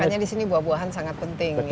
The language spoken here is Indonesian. makanya disini buah buahan sangat penting ya